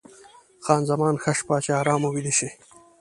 خان زمان: ښه شپه، چې ارام ویده شې.